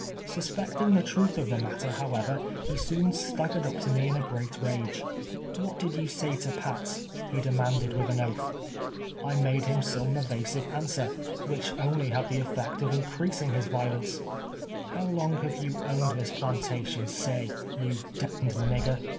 Suspecting the truth of the matter, however, he soon staggered up to me in a great rage. 228 TWELVE YEARS A SLAVE. " Wluit <1I(1 you say to Pats?" lie deniaiuled, with an oatli. 1 made him some evasive au'swcr, wliicli only had tlio ett'ect of increasinu' his violence. " How long have you owned this plantation, say^ you d d nigger?"